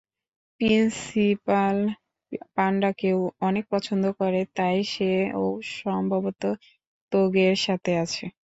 Principal পান্ডাকেও অনেক পছন্দ করে, তাই সে ও সম্ভবত তোগের সাথে আছে।